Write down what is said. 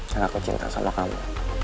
karena aku cinta sama kamu